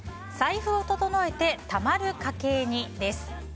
財布を整えて貯まる家計にです。